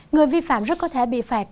người vi phạm rất có thể bị phạt